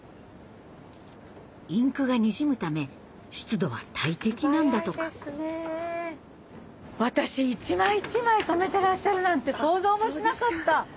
インクがにじむため湿度は大敵なんだとか私１枚１枚染めてらっしゃるなんて想像もしなかった。